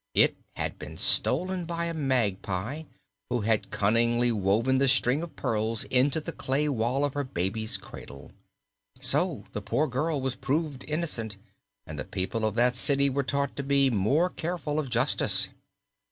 It had been stolen by a magpie who had cunningly woven the string of pearls into the clay wall of her babies' cradle. So the poor girl was proven innocent and the people of that city were taught to be more careful of justice."